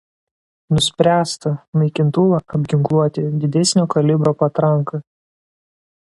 Nuspręsta naikintuvą apginkluoti didesnio kalibro patranka.